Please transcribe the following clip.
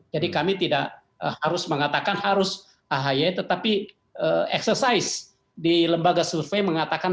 jadi kami tidak harus mengatakan harus ahaya tetapi exercise di lembaga survei mengatakan